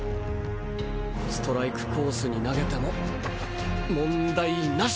ストライクコースに投げても問題なし！